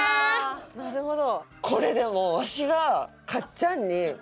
なるほど。